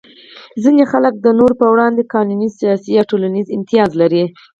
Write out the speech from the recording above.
ځینې خلک د نورو په وړاندې قانوني، سیاسي یا ټولنیز امتیاز لري.